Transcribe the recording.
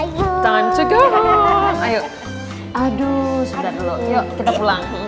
aduh sebentar dulu yuk kita pulang